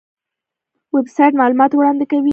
ویب سایټ معلومات وړاندې کوي